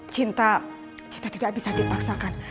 cinta kita tidak bisa dipaksakan